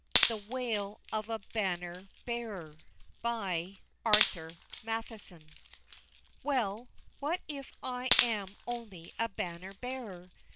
_) THE WAIL OF A BANNER BEARER. ARTHUR MATTHISON. Well, what if I am only a banner bearer?